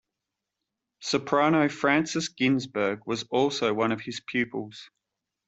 Soprano Frances Ginsberg was also one of his pupils.